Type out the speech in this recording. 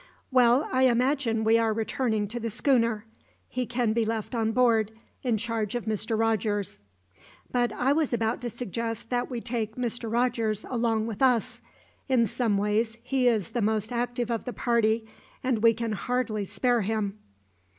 "Well, I imagine we are returning to the schooner. He can be left on board, in charge of Mr. Rogers." "But I was about to suggest that we take Mr. Rogers along with us. In some ways, he is the most active of the party, and we can hardly spare him."